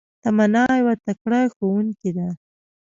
تمنا يو تکړه ښوونکي ده